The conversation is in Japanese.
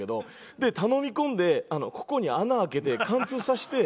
で頼み込んでここに穴開けて貫通させて。